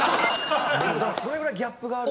それぐらいギャップがある。